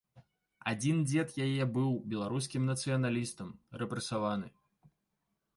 Адзін дзед яе быў беларускім нацыяналістам, рэпрэсаваны.